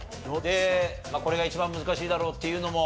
これが一番難しいだろうっていうのも。